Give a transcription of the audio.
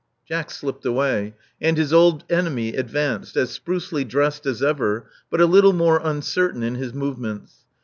Jaek slipped away; and his old enemy advanced, as sprucely dressed as ever, but a little more uncertain in his movements.